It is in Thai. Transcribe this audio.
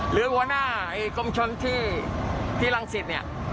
หรือหัวหน้ากรมชนที่รังสิตเนี่ย